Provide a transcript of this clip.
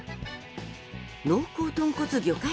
濃厚豚骨魚介